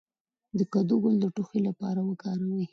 د کدو ګل د ټوخي لپاره وکاروئ